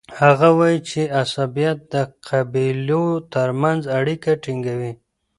هغه وایي چي عصبيت د قبیلو ترمنځ اړیکه ټینګوي.